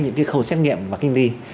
những cái khẩu xét nghiệm và kinh ly